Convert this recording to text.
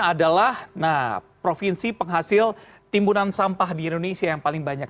adalah provinsi penghasil timbunan sampah di indonesia yang paling banyak